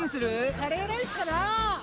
カレーライスかなあ。